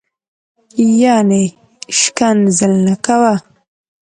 یعنی شکنځل نه کوه